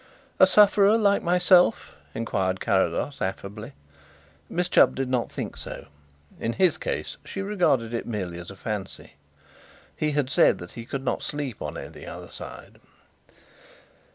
"A sufferer like myself?" inquired Carrados affably. Miss Chubb did not think so. In his case she regarded it merely as a fancy. He had said that he could not sleep on any other side.